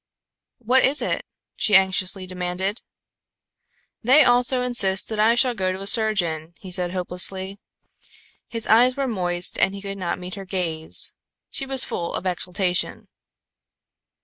"What is it?" she anxiously demanded. "They also insist that I shall go to a surgeon," he said hopelessly. His eyes were moist and he could not meet her gaze. She was full of exultation.